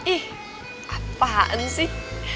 ih apaan sih